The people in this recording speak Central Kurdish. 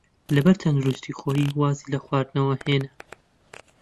لەبەر تەندروستیی خۆی وازی لە خواردنەوە هێنا.